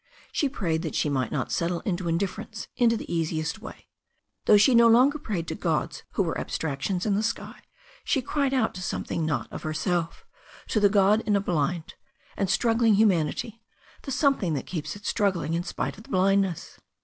She prayed that she might not settle into indifference, into the easiest way. Though she no longer prayed to gods who were abstractions in the sky, she cried out to something not of herself, to the god in a blind and struggling humanity, the something that keeps it struggling in spite of the blindness.